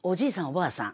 おばあさん